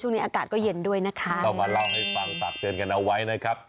อากาศก็เย็นด้วยนะคะก็มาเล่าให้ฟังฝากเตือนกันเอาไว้นะครับ